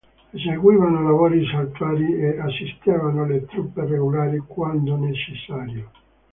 Eseguivano lavori saltuari e assistevano le truppe regolari quando necessario.